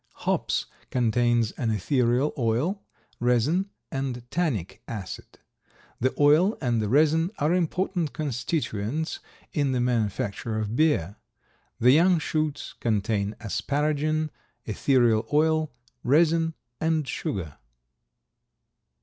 Hops contains an etherial oil, resin and tannic acid. The oil and the resin are important constituents in the manufacture of beer. The young shoots contain asparagin, etherial oil, resin and sugar.